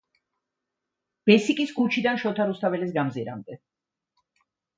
ბესიკის ქუჩიდან შოთა რუსთაველის გამზირამდე.